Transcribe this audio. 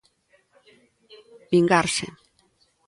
Vingarse.